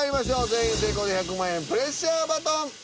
全員成功で１００万円プレッシャーバトン。